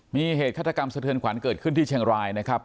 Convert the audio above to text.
มีเหตุฆาตกรรมสะเทือนขวัญเกิดขึ้นที่เชียงรายนะครับ